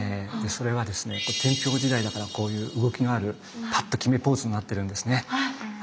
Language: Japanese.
それはですね天平時代だからこういう動きのあるパッと決めポーズになってるんですね。